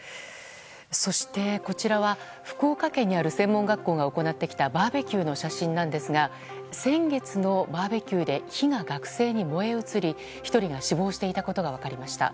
そして、こちらは福岡県にある専門学校が行ったバーベキューの写真ですが先月のバーベキューで火が学生に燃え移り１人が死亡していたことが分かりました。